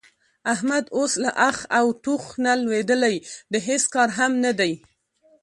احمد اوس له اخ او ټوخ نه لوېدلی د هېڅ کار هم نه دی.